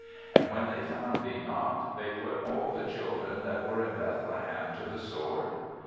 And when they found thee not, they put all the children that were in Bethlehem to the sword.